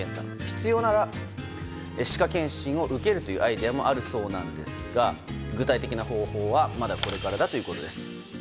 必要なら歯科検診を受けるというアイデアもあるそうなんですが具体的な方法はまだこれからだということです。